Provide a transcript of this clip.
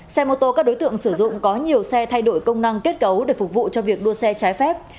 xe mô tô các đối tượng sử dụng có nhiều xe thay đổi công năng kết cấu để phục vụ cho việc đua xe trái phép